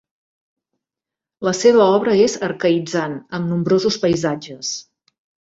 La seva obra és arcaïtzant amb nombrosos paisatges.